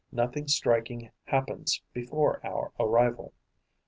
Nothing striking happens before our arrival.